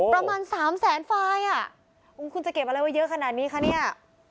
ประมาณสามแสนไฟล์อ่ะคุณจะเก็บอะไรไว้เยอะขนาดนี้คะเนี่ย